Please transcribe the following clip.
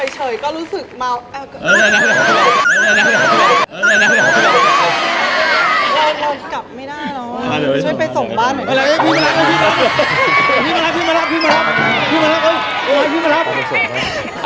เฉยก็รู้สึกเมาแอบกับกลับไม่ได้แล้วช่วยไปส่งบ้านมาแล้ว